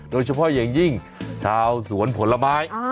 โดยเฉพาะอย่างยิ่งชาวสวนผลไม้